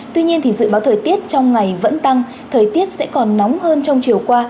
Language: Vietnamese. tuy nhiên dự báo thời tiết trong ngày vẫn tăng thời tiết sẽ còn nóng hơn trong chiều qua